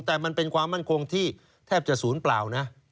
แต่มันเป็นความมั่นคงที่แทบจะศูนย์เปล่านะ